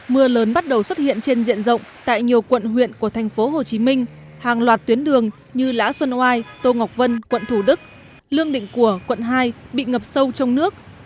mưa lớn bắt đầu xuất hiện trên diện rộng tại nhiều quận huyện của thành phố hồ chí minh hàng loạt tuyến đường như lã xuân oai tô ngọc vân quận thủ đức lương định của quận hai bị ngập sâu trong nước